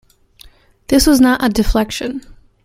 This was not a deflection.